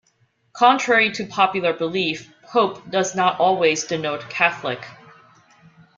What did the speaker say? Contrary to popular belief, "Pope" does not always denote "Catholic.